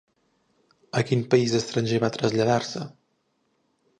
A quin país estranger va traslladar-se?